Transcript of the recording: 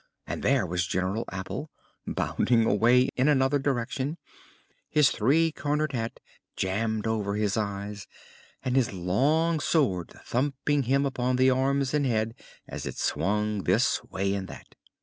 And there was General Apple, bounding away in another direction, his three cornered hat jammed over his eyes and his long sword thumping him upon the arms and head as it swung this way and that.